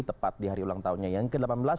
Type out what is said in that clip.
tepat di hari ulang tahunnya yang ke delapan belas